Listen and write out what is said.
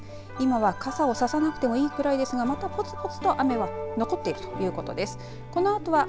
今は傘をささなくてもいいぐらいですがまだ、ぽつぽつと雨が残っているということです。